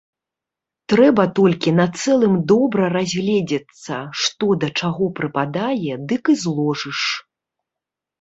Трэба толькі на цэлым добра разгледзецца, што да чаго прыпадае, дык і зложыш.